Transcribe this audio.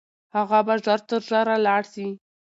هغه به ژر تر ژره لاړ سي.